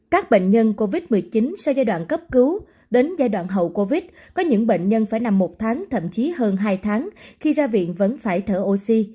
các bệnh nhân covid một mươi chín sau giai đoạn cấp cứu đến giai đoạn hậu covid có những bệnh nhân phải nằm một tháng thậm chí hơn hai tháng khi ra viện vẫn phải thở oxy